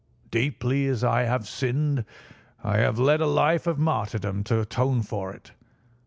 Deeply as I have sinned, I have led a life of martyrdom to atone for it.